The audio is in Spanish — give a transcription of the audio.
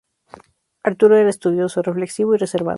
Arturo era estudioso, reflexivo y reservado.